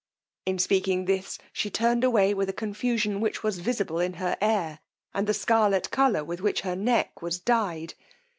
In speaking this she turned away with a confusion which was visible in her air, and the scarlet colour with which her neck was dyed.